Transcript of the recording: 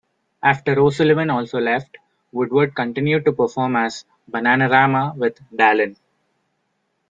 After O'Sullivan also left, Woodward continued to perform as Bananarama with Dallin.